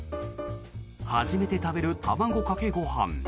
初めて食べる卵かけご飯。